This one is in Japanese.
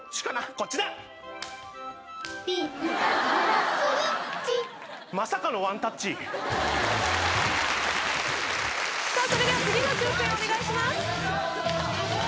こっちだビンタゴラスイッチまさかのワンタッチさあそれでは次の抽選をお願いします